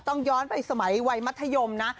ย้อนไปสมัยวัยมัธยมนะ